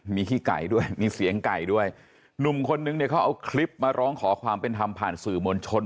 มีขี้ไก่ด้วยมีเสียงไก่ด้วยหนุ่มคนนึงเนี่ยเขาเอาคลิปมาร้องขอความเป็นธรรมผ่านสื่อมวลชน